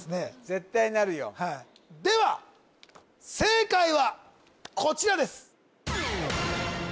絶対なるよでは正解はこちらです